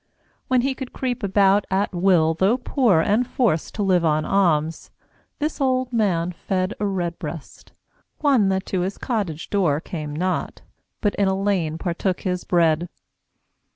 When he could creep about, at will, though poor And forced to live on alms, this old Man fed A Redbreast, one that to his cottage door Came not, but in a lane partook his bread.